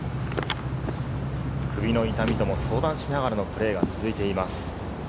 首の痛みとも相談しながらのプレーが続いています。